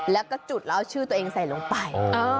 แล้วก็จุดแล้วเอาชื่อตัวเองใส่ลงไป